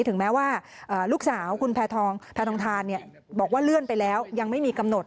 ถึงแม้ว่าลูกสาวคุณแพทองแพทองทานบอกว่าเลื่อนไปแล้วยังไม่มีกำหนด